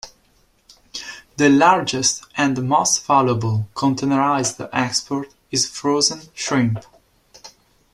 The largest and most valuable containerized export is frozen shrimp.